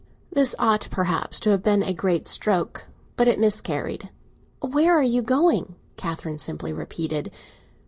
This ought perhaps to have been a great stroke, but it miscarried. "Where are you going?" Catherine simply repeated.